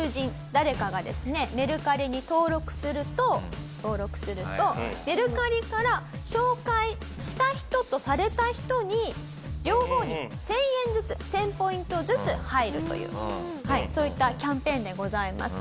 誰かがですねメルカリに登録すると登録するとメルカリから招待した人とされた人に両方に１０００円ずつ１０００ポイントずつ入るというそういったキャンペーンでございます。